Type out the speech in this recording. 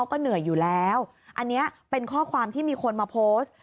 อันนี้เป็นข้อความที่มีคนมาโพสต์